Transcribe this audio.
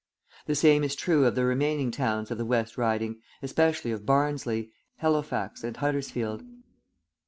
The same is true of the remaining towns of the West Riding, especially of Barnsley, Halifax and Huddersfield.